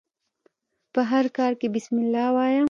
په هر کار کښي بسم الله وايه!